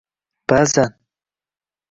Ba’zan…